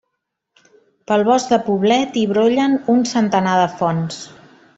Pel bosc de Poblet hi brollen un centenar de fonts.